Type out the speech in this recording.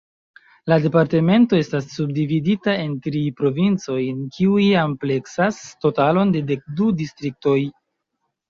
La departemento estas subdividita en tri provincojn, kiuj ampleksas totalon de dek du distriktoj.